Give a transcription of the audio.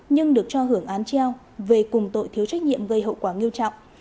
nhưng được cho hưởng án treo về cùng tội thiếu trách nhiệm gây hậu quả nghiêm trọng